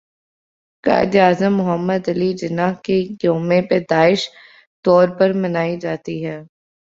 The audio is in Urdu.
قائد اعظم محمد علی جناح کے يوم پیدائش طور پر منائی جاتى ہے